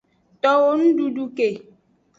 Towo nududu ke.